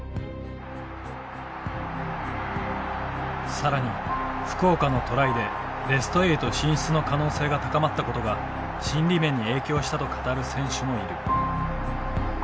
更に福岡のトライでベスト８進出の可能性が高まったことが心理面に影響したと語る選手もいる。